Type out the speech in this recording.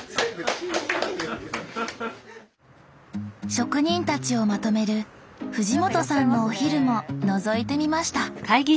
職人たちをまとめる藤本さんのお昼ものぞいてみました！